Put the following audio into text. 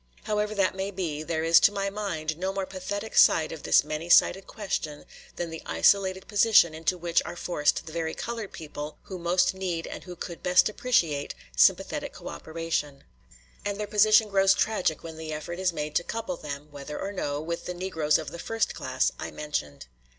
However that may be, there is to my mind no more pathetic side of this many sided question than the isolated position into which are forced the very colored people who most need and who could best appreciate sympathetic cooperation; and their position grows tragic when the effort is made to couple them, whether or no, with the Negroes of the first class I mentioned.